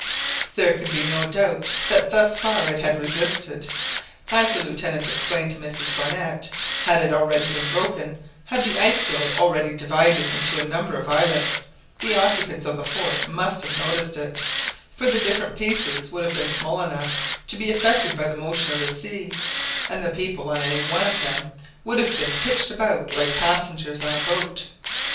There could be no doubt that thus far it had resisted. As the Lieutenant explained to Mrs Barnett, had it already been broken, had the ice field already divided into a number of islets, the occupants of the fort must have noticed it, for the different pieces would have been small enough to be affected by the motion of the sea, and the people on any one of them would have been pitched about like passengers on a boat.